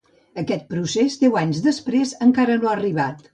Aquest procés, deu anys després, encara no ha arribat.